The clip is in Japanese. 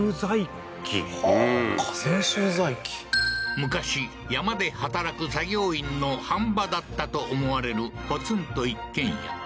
ほう架線集材機昔山で働く作業員の飯場だったと思われるポツンと一軒家